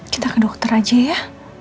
kita ke dokter aja ya